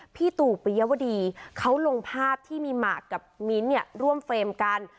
พี่ตู่ปิยวดีเขาลงภาพที่มีหมากกับมิ้นท์เนี่ยร่วมเฟรมกัน